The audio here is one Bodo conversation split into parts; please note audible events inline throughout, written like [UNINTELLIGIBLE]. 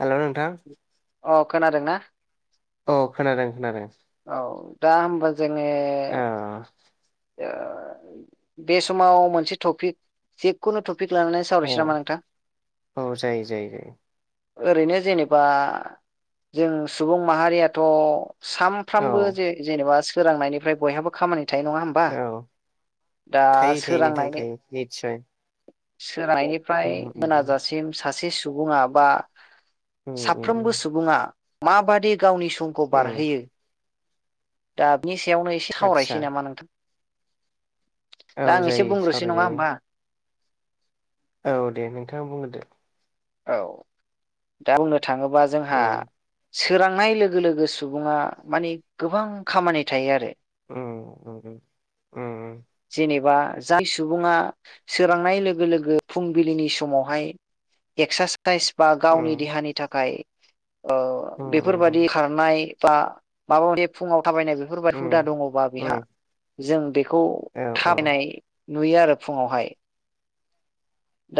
हेलौ नोंथां अ' खोनादों ना? औ खोनादों खोनादों। औ दा होनबा जोङो औ ओ बे समाव मोनसे टपिक जेखुनु ट पिक लानानै औ सावरायसै नामा नोंथां औ जायो जायो जायो ओरैनो जेनेबा जों सुबुं माहारियाथ' सा औ फ्रामबो जे जेनेबा सोरांनायनिफ्राय बयहाबो खामानि थायो नङा होमबा औ दा थायो थायो नोंथां सोरांनायनि थायो निस्सय सोरांनायनिफ्राय उम उम मोनाजासिम सासे सुबुङा बा उम उम साफ्रोमबो उम सुबुङा माबादि गावनि समखौ उम बारहोयो दा बिनि सायावनो एसे आदसा सावरायनोसै नामा नोंथां दा औ आं एसे जायो बुंग्रोसै नङा सावरायजायो होमबा औ दे नोंथाङा बुंगोरदो। औ दा बुंनो थाङोबा जोंहा उम सोरांनाय लोगो लोगो सुबुङा माने गोबां खामानि थायो आरो। ओम नंगौ ओम जेनेबा जाय सुबुङा सोरांनाय लोगो लोगो फुंबिलिनि समावहाय एक्ससास साइस बा उम गावनि देहानि थाखाय ओ उम बेफोरबादि खारनाय बा माबा मोनसे फुङाव थाबायनाय बेफोरबायदि हुदा उम दङबा बेहा उम उम जों बेखौ औ औ थाबायनाय नुयो आरो फुङावहाय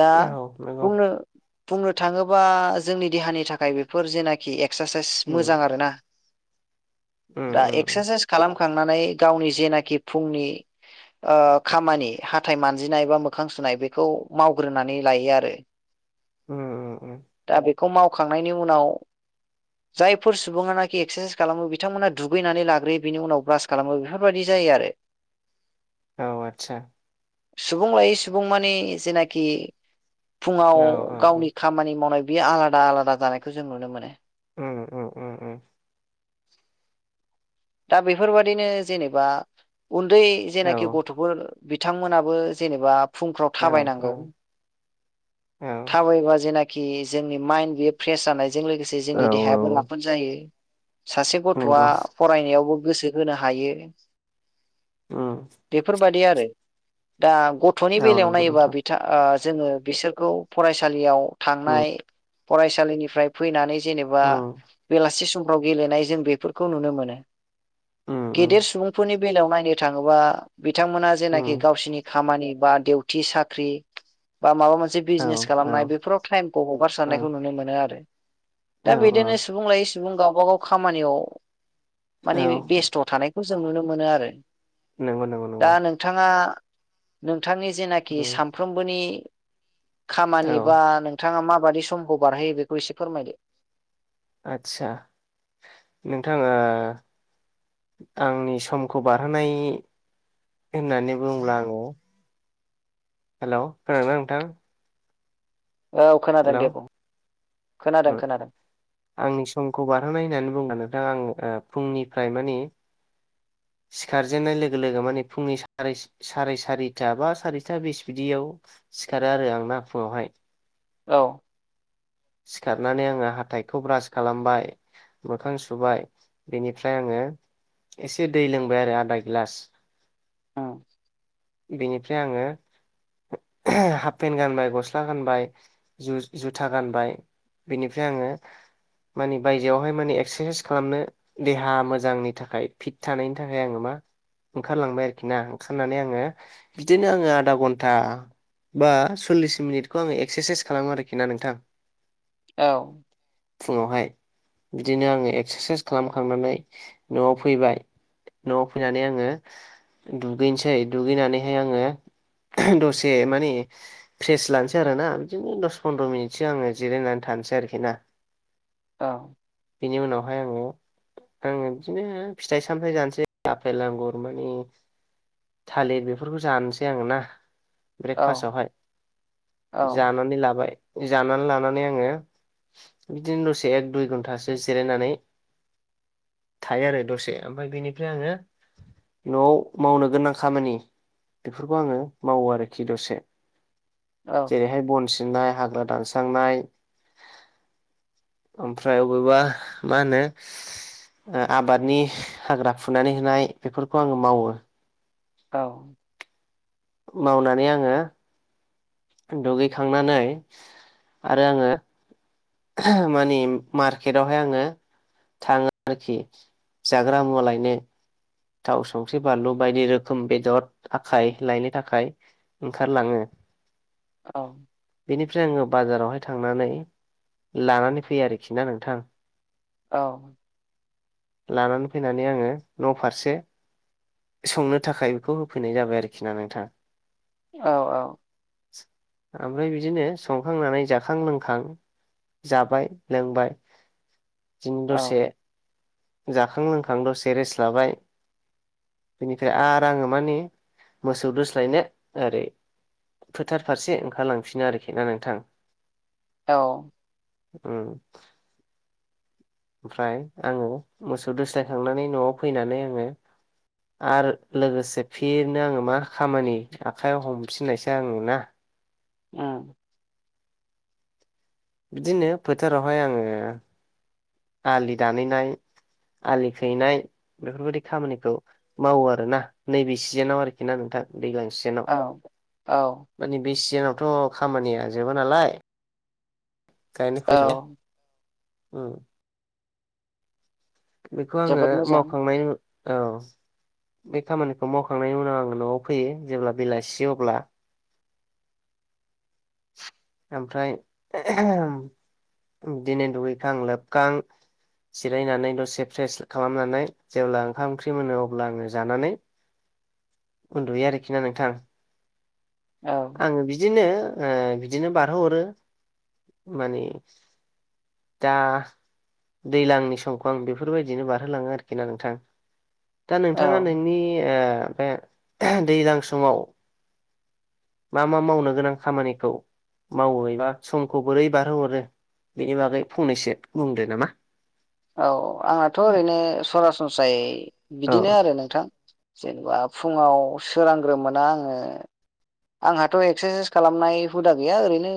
दा औ नंगौ बुंनो बुंनो थाङोबा जोंनि देहानि थाखाय बेफोर जेनाखि एक सारसाएस उम मोजां‌ आरो‌ना‌‌ उम दा‌ उम उम एकसारसाएस खालाम खांनानै गावनि जेनाखि फुंनि ओ खामानि हाथाय मानजिनाय बा मोखां सुनाय बेखौ मावग्रोनानै लायो आरो। उम उम दा बेखौ मावखांनायनि उनाव जायफोर सुबुङा नाखि एक्सारसाइस खालामो बिथांमोना दुगैनानै लाग्रोयो बिनि उनाव ब्रास खालामो बेफोरबायदि जा जायो आरो औ आतसा सुबुं लायै सुबुं मानि जेनाखि औ फुङाव औ गावनि खामानि मावनाय बेयो आलादा आलादा जानायखौ जों नुनो मोनो। उम उम उम उम। दा बेफोरबादिनो जेनेबा उन्दै औ जेनेखि गथफोर बिथांमोनाबो जेनेबा फुंफ्राव औ थाबायनांगौ औ औ थाबायबा जेनाखि आरोखि जोंनि माइन्ड बेयो फ्रेस जानायजों लोगोसे औ जोंनि देहायाबो राफोद जायो। सासे गथआ नंगौ खौबो गोसो होनो हायो उम बेफोरबादि। नाय आरो‌ दा गथनि‌ औ बेलायाव नंगौ नायोबा नोंथां बिथा आ जोङो बिसोरखौ फरायसालियाव उम थांनाय फरायसालिनिफ्राय फैनानै। जेनेबा उम बेलासि समफ्राव गेलेनाय जों बेफोरखौ नुनो मोनो। उम उम गेदेर सुबुंफोरनि बेलायाव नायनो थाङोबा। बिथांमोना जेनाखि उम गावसिनि खामानि बा दिउथि साख्रि बा माबा मोनसे मोनसे औ बिजनेस खालामनाय बेफोराव टाइमखौ औ हगारसारनायखौ नुनो मोनो आरो। दा औ बिदिनो सुबुं लायै सुबुं गावबा गाव खामानियाव माने औ बेस्थ थानायखौ जों नुनो मोनो आरो नंगौ नंगौ दा नंगौ नोंथाङा। नोंथांनि जेनाखि उम सानफ्रोमबोनि खामानि औ बा नोंथाङा माबादि समखौ बारहोयो बेखौ एसे फोरमायदो। आदसा नोंथा ओ। आंनि समखौ बारहोनाय होननानै बुङोब्ला आङो हेलव खोनादों ना नोंथां औ खोनादों हेलौ दे बुं खोनादों खोनादों आंनि समखौ बारहोनाय होननानै बुंगोन नोंथां आं ओ फुंनिफ्राय मानि [INAUDIBLE] सिखारजेननाय लोगो लोगो माने फुंनि सा साराय सारिथा बा सारिथा बिस बिदियाव सिखारो आरो आं ना फुङावहाय। औ सिखारनानै आङो हाथाइखौ ब्रास खालामबाय। मोखां सुबाय बेनिफ्राय आङो एसे दै लोंबाय आरो आदा गिलास उम बेनिफ्राय आङो हाफ पेन्ट गानबाय गस्ला गानबाय जु जुथा गानबाय बेनिफ्राय आङो मानि बायजोआवहाय माने एक्सारसाइस खालामनो देहा मोजांनि थाखाय फिट थानायनि थाखाय आङो मा ओंखारलांबाय आरोखि ना ओंखारनानै आङो बिदिनो आङो आधा घन्टा बा सल्लिस मिनिटखौ आङो एक्सारसाइस खालामो आरोखि ना नोंथां [INAUDIBLE] फुङावहाय बिदिनो आङो एक्सारसाइस खालामखांनानै न'आव फैबाय। न'आव फैनानै दसे माने फ्रेस लानोसै आरो ना बिदिनो दस फन्द्र' मिनिटसो आङो। थानिसै आरोखि ना। [INAUDIBLE] [UNINTELLIGIBLE] आङो बिदिनो फिथाइ सामथाय जानोसै आपेल आंगुर माने थालिर बेफोरखौ जानोसै आङो ना। औ ब्रेकफास्टआवहाय औ बिदिनो दसे एक दुइ घन्टासो जिरायनानै। [UNINTELLIGIBLE] खामानि बेफोरखौ आं मावो आरोखि दसे जेरैहाय बन सिनाय हाग्रा दानस्रांनाय ओमफ्राय अबेबा मा होनो ओ आबादनि हाग्रा फुनानै होनाय बेफोरखौ आङो मावो औ मावनानै आङो दुगैखांनानै आरो आङो माने मार्केटआवहाय आङो थाङो आरोखि जाग्रा मुवालायनो थाव, संख्रि, बानलु बायदि रोखोम बेदर आखाय लायनो थाखाय ओंखारलाङो। औ बेनिफ्राय आङो बाजारावहाय थांनानै लानानै फैयो आरोखि ना नोंथां। औ लानानै फैनानै आङो न फारसे संनो थाखाय बेखौ होफैनाय जाबाय आरोखि ना नोंथाङा। औ औ ओमफ्राय बिदिनो संखांनानै जाखां लोंखां जाबाय लोंबाय बिदिनो औ दसे जाखां लोंखां दसे रेस लाबाय बेनिफ्राय आरो आङो माने मोसौ दोसलायनो ओरै फोथार फारसे ओंखारलांफिनो आरोखि ना नोंथां। औ ओम ओमफ्राय आङो मोसौ दोस्लायखांनानै न'आव फैनानै आङो आरो लोगोसे फिरनो आङो मा खामानि आखाइयाव हमफिननायसै आङो ना ओम बिदिनो फोथारावहाय आङो आलि दानैनाय आलि खैनाय बेफोरबायदि खामानिखौ मावो आरोना नैबे सिजोनाव आरोखि ना नोंथां। दैज्लां सिजेनाव औ औ माने बे सिजेनावथ' खामानिया जोबा नालाय गायनो औ ओम बेखौ आङो जोबोद मोजां मावखांनायनि औ बे खामानिखौ मावखांनायनि उनाव आङो न'आव फैयो जेब्ला बेलासि अब्ला ओमफ्राय बिदिनो दुगैखां लोबखां जिरायनानै दसे फ्रेस खालामनानै जेब्ला ओंखाम ओंख्रि मोनो अब्ला आङो जानानै [UNINTELLIGIBLE] उन्दुयो आरोखि ना नोंथां औ आङो बिदिनो बिदिनो बारहोहरो माने दा दैलांनि समखौ आं बेफोरबायदिनो बारहोलाङो आरोखि ना नोंथां। दा नोंथाङा औ नोंनि ओ बे दैलां समाव मा मा मावनो गोनां खामानिखौ मावोय मा समखौ बोरै बारहोहरो बेनि बागै फंनैसो बुंदो नामा। औ आंनाथ' ओरैनो सरासनस्रायै औ बिदिनो आरो नोंथां। जेनबा फुंङाव सोरांग्रोमोना आङो आंहाथ' एक्सासाइस खालामनाय हुदा गैया ओरैनो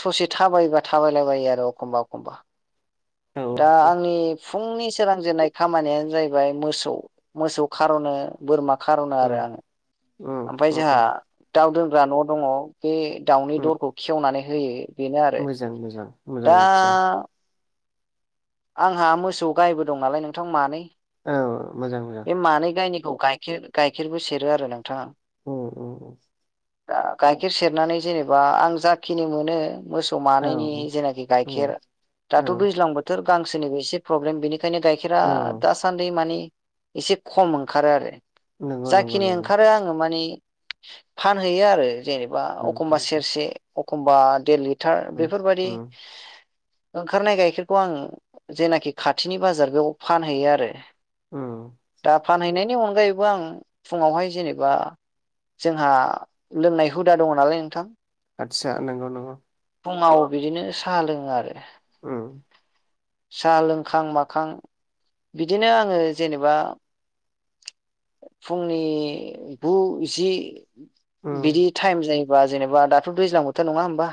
ससे थाबायबा थाबायलाबायो आरो एखमबा एखमबा औ दा औ आंनि फुंनि सोरांजेननाय खामानियानो जाहैबाय मोसौ मोसौ खार'नो बोरमा खार'ना आरो आं उम ओमफाय जोंहा उम दाउ दोनग्रा न' दङ बे दाउनि उम दरखौ खेवनानै होयो। बेनो आरो मोजां मोजां दा मोजांनि बाथ्रा। आंहा मोसौ गायबो दं नालाय नोंथां मानै। औ मोजां मोजां। बे मानै गायनिखौ गाइखेर गाइखेरखौ सेरो आरो नोंथाङा। औ औ। दा गाइखेर सेरनानै जेनेबा आं जाखिनि मोनो। मोसौ औ मानैनि जेनाखि गाइखेर उम औ दाथ' दैज्लां बोथोर गांसोनिबो एसे प्र्रबलेम बेनि। बेखायनो गाइखेरा औ दासान्दि मानिे एसे खम ओंखारो आरो। नंगौ नंगौ जाखिनि नंगौ ओंखारो आङो माने फानहैयो आरो जेनेबा उम एखमबा उम सेरसे एखमबा देर लिटार उम बेफोरबायदि। उम ओंखारनाय गाइखेरखौ आं जेनाखि खाथिनि बाजार बेयाव फानहैयो आरो। उम दा फानहैनायनि अनगायैबो आं फुङावहाय जेनेबा। जोंहा लोंनाय हुदा दङ नालाय नोंथां। आथसा नोंगौ नोंगौ। फुंङाव बिदिनो साहा लोंओ आरो। उम। साहा लोंखां माखां बिदिनो आंङो जेनेबा । फुंनि गु जि उम बिदि टाइम जायो। होनब जेनबा दाथ' दैजलां बोथोर नङा होमबा।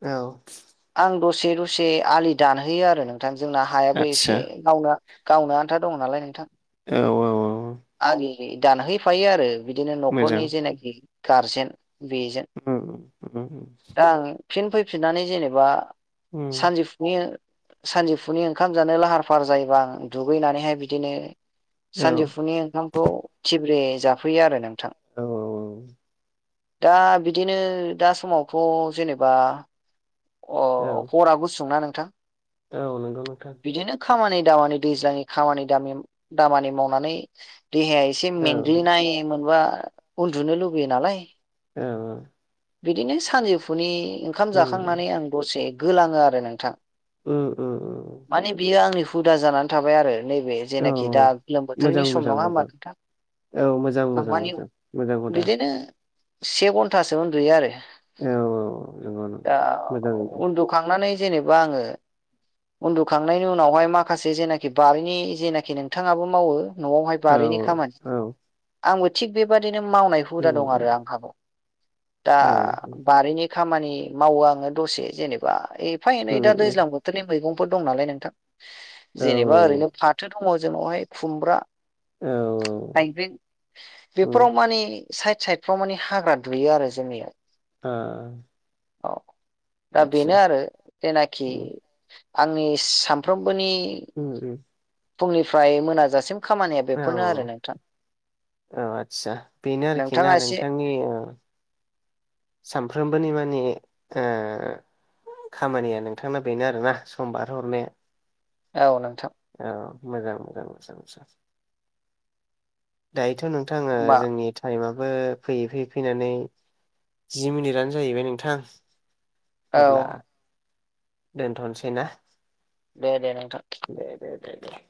औ। आं दसे दसे आलि दानहैयो आरो नोंथां जोंना हायाबो आदसा एसे मावनो गावनो आनथा। खोथा दङ नालाय नोंथां। औ औ औ। आलि दानहैफायो आरो बिदिनो न'खरनि मोजां जेनाखि गारजेन । बेजों उम, उम, दा आं। फिन फैफिननानै जेनेबा उम, सानजौफुनि। सानजिफुनि ओंखाम जानो लाहार फाहार जायोबा आं दुगैनानैहाय बिदिनो। औ सानजौफुनि ओंखामखौ थिब्रे जाफैयो आरो नोंथां। औ औ औ। दा बिदिनो दा समावथ' जेनेबा। अ औ हरा गुसुंना नोंथां। औ नोंगौ नोंथां। बिदिनो खामानि दामानि दैज्लांनि खामानि दमिम दामानि मावनानै। देहाया एसे औ मेंग्लिनाय मोनबा उन्दुनो लुुगैयो नालाय। औ औ। बिदिनो सानजौफुनि ओंखाम उम जाखांनानै आं दसे गोलांओ आरो नोंथां उम उम माने बियो आंनि हुदा जानानै थाबाय आरो। नैबे औ जेनाखि दा गोलोम मोजां बोथोरनि सम मोजां नङा होमबा मोजां नोंथां। औ मोजां आं मोजां मानि मोजां मोजां हुदा बिदिनो से घन्टासो उन्दुयो आरो। औ औ औ। नंगौ नंगौ दा मोजां उन्दुखांनानै जेनेबा आङो। उन्दुखांनायनि उनावहाय माखासे जेनाखि बारिनि जेनाखि नोंथाङाबो मावो नआवहाय औ बारिनि खामानि औ आंबो थिग बेबादिनो नो मावनाय हुदा उम दं आरो उम आंहाबो दा औ बारिनि खामानि मावो आङो दसे जेनेबा एफा उम एनै दा दैज्लां बोथोरनि मैगंफोर दं नालाय नोंथां औ जेनेबा ओरैनो फाथो दङ जोंनावहाय खुमब्रा। औ थाइगें उम बेफोराव माने साइद साइद फाव माने हाग्रा दुयो आरो जोंनियाव ओ औ दा बेनो आरो जेनाखि उम आंनि सामफ्रोम बोनि उम उम फुंनिफ्राय मोनाजासिम खामानिया औ बेफोरनो आरो नोंथां औ आस्सा बेनो आरोखि ना नोंथाङा एसे नोंथांनि ओ सानफ्रोमबोनि मा नि ओ खामानिया नोंथांना बेनो आरोना सम बारहोहरनाया औ नों औ मोजां मोजां मोजां मोजां दाय नोंथां ओ होमबा जोंनि टाइमा बो फैयै फैयै फैनानै जि मिनिटआनो जाहैबाय नोंथां औ अब्ला दोनथनोसै ना दे दे नोंथां ओ दे